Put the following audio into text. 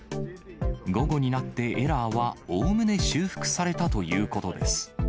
午後になってエラーはおおむね修復されたということです。